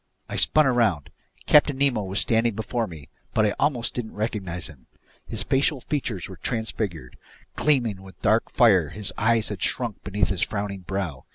I spun around. Captain Nemo was standing before me, but I almost didn't recognize him. His facial features were transfigured. Gleaming with dark fire, his eyes had shrunk beneath his frowning brow.